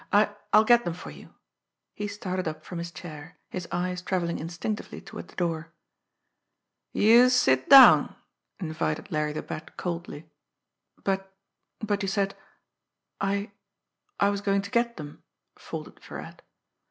I I'll get them for you." He started up from his chair, his eyes travelling instinctively toward the door. "Youse sit down!" invited Larry the Bat coldly. "But but you said I I was going to get them," faltered Virat.